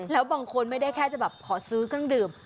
แล้วบางคนไม่ได้แค่จะขอซื้อกันดื่ม